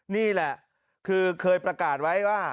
นี่แหละคือเคยประกาศไว้ว่า